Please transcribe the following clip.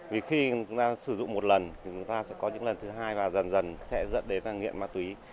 vì khi chúng ta sử dụng một lần thì chúng ta sẽ có những lần thứ hai và dần dần sẽ dẫn đến là nghiện ma túy